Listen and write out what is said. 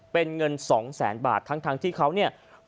เป็นเงินสองแสนบาททั้งที่เขาเนี่ย